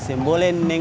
saya boleh lihat